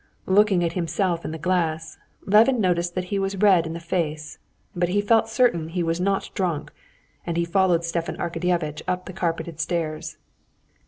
Looking at himself in the glass, Levin noticed that he was red in the face, but he felt certain he was not drunk, and he followed Stepan Arkadyevitch up the carpeted stairs.